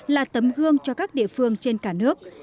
là tấm gương cho các địa phương trên cả nước